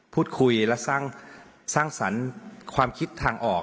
พูดคุยและสร้างสรรค์ความคิดทางออก